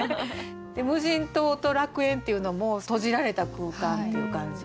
「無人島」と「楽園」っていうのも閉じられた空間っていう感じ。